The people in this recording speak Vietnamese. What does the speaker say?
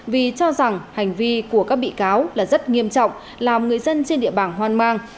vì cho rằng hành vi của các bị cáo là rất nghiêm trọng làm người dân trên địa bàn hoang mang